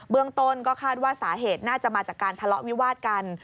เมืองต้นก็คาดว่าสาเหตุน่าจะมาจากการทะเลาะวิวาดกัน